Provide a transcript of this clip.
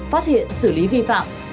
phát hiện xử lý vi phạm